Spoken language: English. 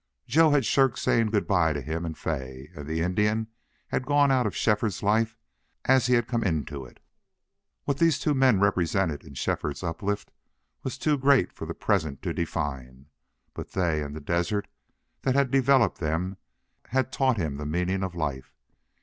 Joe had shirked saying good by to him and Fay. And the Indian had gone out of Shefford's life as he had come into it. What these two men represented in Shefford's uplift was too great for the present to define, but they and the desert that had developed them had taught him the meaning of life.